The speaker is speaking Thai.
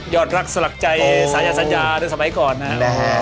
ยอดรักสลักใจสายสัญญาสมัยก่อนนะฮะ